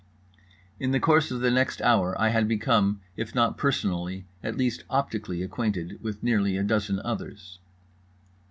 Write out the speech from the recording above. In the course of the next hour I had become, if not personally, at least optically acquainted with nearly a dozen others.